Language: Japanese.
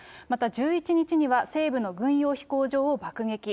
また１１日には、西部の軍用飛行場を爆撃。